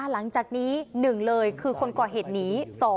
หลังจากนี้๑เลยคือคนก่อเหตุหนี๒